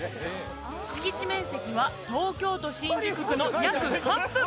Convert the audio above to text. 敷地面積は東京都新宿区の約半分。